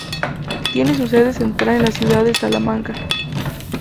Tiene su sede central en la ciudad de Salamanca.